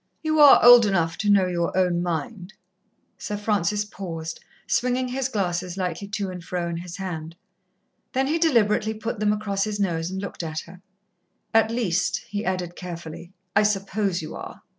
"You are old enough to know your own mind." Sir Francis paused, swinging his glasses lightly to and fro in his hand. Then he deliberately put them across his nose and looked at her. "At least," he added carefully, "I suppose you are.